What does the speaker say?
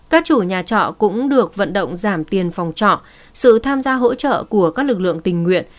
các chủ nhà trọ cũng được vận động giảm tiền phòng trọ sự tham gia hỗ trợ của các lực lượng tình nguyện